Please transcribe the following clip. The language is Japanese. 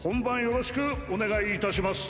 よろしくお願いします！